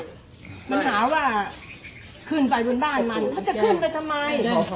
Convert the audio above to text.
ได้ร่วมเวลาเพื่อราวทรงจำ